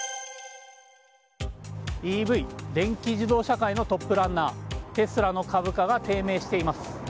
ＥＶ・電気自動車界のトップランナーテスラの株価が低迷しています。